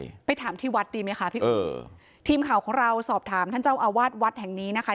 ไปถามที่วัดดีไหมคะพี่เอ๋ทีมข่าวของเราสอบถามท่านเจ้าอาวาสวัดแห่งนี้นะคะ